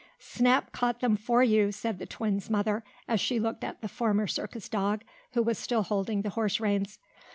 "Snap caught them for you," said the twins' mother, as she looked at the former circus dog, who was still holding the horse reins.